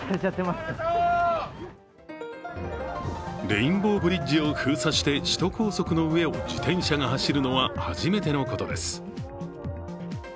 レインボーブリッジを封鎖して首都高速の上を自転車が走るのは初めてのことです。